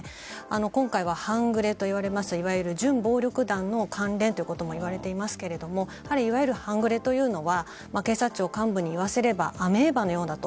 今回は半グレといわれますいわゆる準暴力団の関連ということもいわれていますがいわゆる半グレというのは警察庁幹部に言わせればアメーバのようだと。